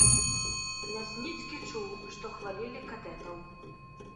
Лясніцкі чуў, што хвалілі кадэтаў.